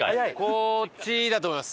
こっちだと思います。